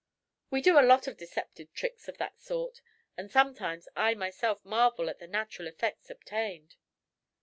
We do a lot of deceptive tricks of that sort, and sometimes I myself marvel at the natural effects obtained."